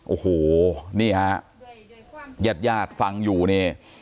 โอ้โหนี่ฮะหยาดฟังอยู่เนี่ย